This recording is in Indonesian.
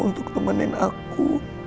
untuk nemenin aku